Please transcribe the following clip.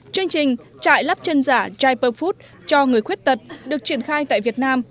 chương trình trại lắp chân giả jaipur food cho người khuyết tật được triển khai tại việt nam